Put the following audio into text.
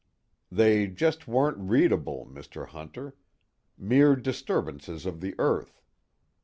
"They just weren't readable, Mr. Hunter. Mere disturbances of the earth.